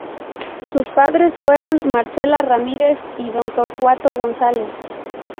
Sus padres fueron Marcela Ramírez, y don Torcuato González.